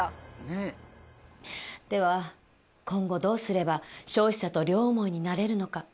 では今後どうすれば消費者と両思いになれるのか？